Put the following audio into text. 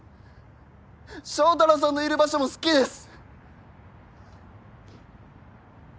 祥太郎さんのいる場所も好きです